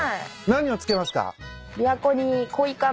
何を付けますか？